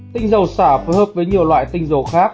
tinh dầu xả phối hợp với nhiều loại tinh dầu khác